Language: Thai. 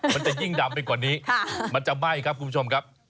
มันจะยิ่งดำไปกว่านี้มันจะไหม้ครับคุณผู้ชมครับ